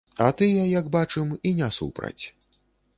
А тыя, як бачым, і не супраць.